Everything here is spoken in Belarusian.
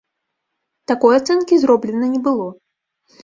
Такой ацэнкі зроблена не было.